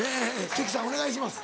関さんお願いします。